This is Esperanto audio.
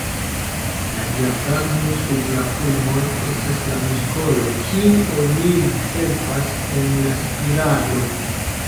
La diafragmo sub la pulmoj estas la muskolo, kiu onin helpas en la spirado.